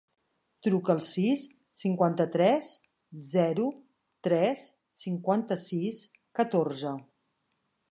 Truca al sis, cinquanta-tres, zero, tres, cinquanta-sis, catorze.